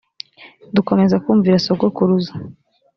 dukomeza kumvira sogokuruza